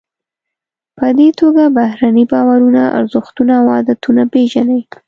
په دې توګه بهرني باورونه، ارزښتونه او عادتونه پیژنئ.